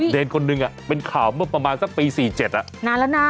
เนรคนหนึ่งเป็นข่าวเมื่อประมาณสักปี๔๗นานแล้วนะ